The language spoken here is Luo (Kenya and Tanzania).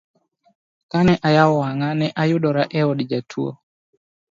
Ka ne ayawo wang'a, ne ayudora e od jotuo.